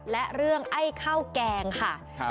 และเรื่องไอ้ข้าวแกงค่ะ